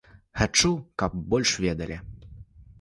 Хачу, каб больш ведалі.